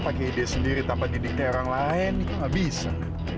pakai ide sendiri tanpa didikterang lain itu nggak bisa